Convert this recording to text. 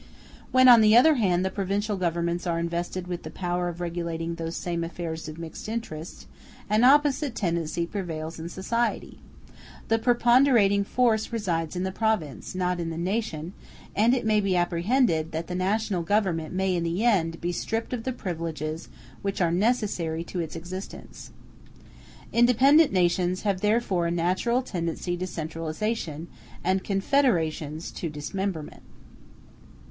When, on the other hand, the provincial governments are invested with the power of regulating those same affairs of mixed interest, an opposite tendency prevails in society. The preponderating force resides in the province, not in the nation; and it may be apprehended that the national Government may in the end be stripped of the privileges which are necessary to its existence. Independent nations have therefore a natural tendency to centralization, and confederations to dismemberment.